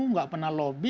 nggak pernah lobby